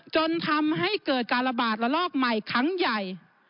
จนทำให้เกิดการระบาดระลอกใหม่ครั้งใหญ่